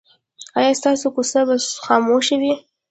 ایا ستاسو کوڅه به خاموشه وي؟